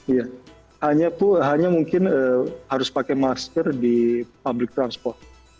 iya hanya mungkin harus pakai masker di public transport